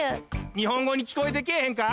日本ごにきこえてけぇへんか？